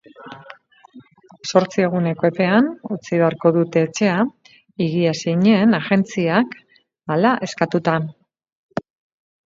Zortzi eguneko epean utzi beharko dute etxea higiezinen agentziak hala eskatuta.